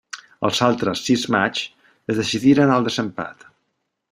Els altres sis matxs es decidiren al desempat.